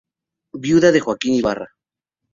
Viuda de Joaquín Ibarra.